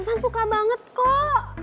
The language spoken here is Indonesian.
susan suka banget kok